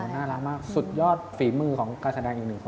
น่ารักมากสุดยอดฝีมือของการแสดงอีกหนึ่งคน